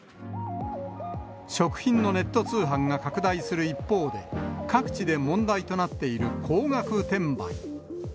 食品のネット通販が拡大する一方で、各地で問題となっている高額転売。